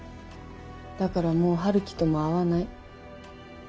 だからもう陽樹とも会わない。